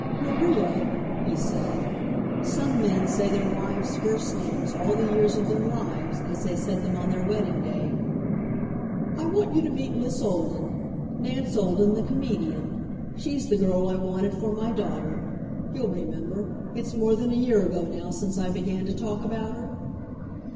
"Maria," he said some men say their wives' first names all the years of their lives as they said them on their wedding day "I want you to meet Miss Olden Nance Olden, the comedian. She's the girl I wanted for my daughter you'll remember, it's more than a year ago now since I began to talk about her?"